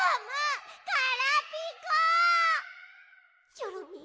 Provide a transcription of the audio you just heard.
チョロミー